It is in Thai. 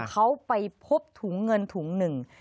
เขาไปพบถุงเงินถุงหนึ่ง